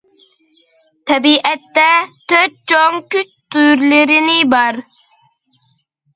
تەبىئەتتە تۆت چوڭ كۈچ تۈرلىرىنى بار.